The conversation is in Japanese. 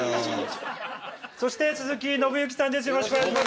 そして鈴木伸之さんです。